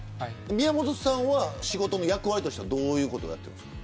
宮本さんは仕事の役割としてはどういうことをやっていますか。